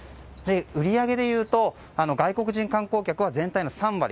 売上でいうと外国人観光客は全体の３割。